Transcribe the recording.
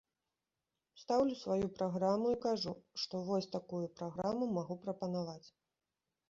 Стаўлю сваю праграму і кажу, што вось такую праграму магу прапанаваць.